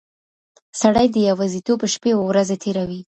سړی د يوازيتوب شپې او ورځې تېروي.